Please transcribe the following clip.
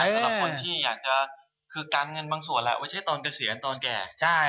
หลักคนที่อยากจะการเงินบางส่วนแล้วไม่ใช่กระเสียญเก่